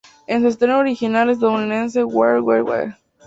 En su estreno original estadounidense, "Where Were We?